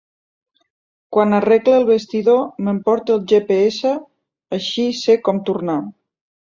Quan arregle el vestidor m'emporte el ge pe essa, així, sé com tornar.